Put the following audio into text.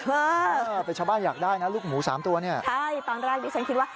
เออเป็นชาวบ้านอยากได้นะลูกหมูสามตัวเนี่ยใช่ตอนแรกดิฉันคิดว่า